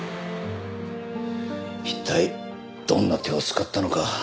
一体どんな手を使ったのか。